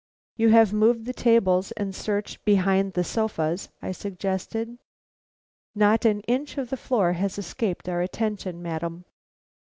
"You have moved the tables and searched behind the sofas," I suggested. "Not an inch of the floor has escaped our attention, madam."